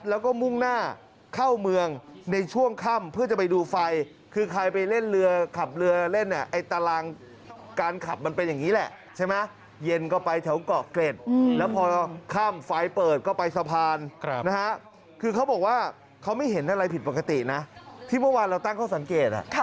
แล้วก็มุ่งหน้าเข้าเมืองในช่วงค่ำเพื่อจะไปดูไฟคือใครไปเล่นเรือขับเรือเล่นเนี่ยไอ้ตารางการขับมันเป็นอย่างนี้แหละใช่ไหมเย็นก็ไปแถวเกาะเกร็ดแล้วพอค่ำไฟเปิดก็ไปสะพานนะฮะคือเขาบอกว่าเขาไม่เห็นอะไรผิดปกตินะที่เมื่อวานเราตั้งข้อสังเกต